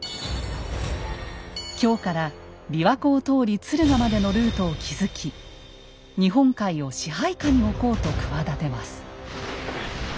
京から琵琶湖を通り敦賀までのルートを築き日本海を支配下に置こうと企てます。